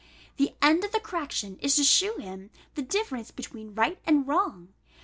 The end of the correction is to shew him the difference between right and wrong.